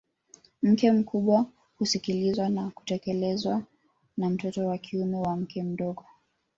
Mke mkubwa husikilizwa na kutekelezwa na mtoto wa kiume wa mke mdogo